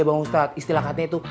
iya bang ustadz istilah katanya tuh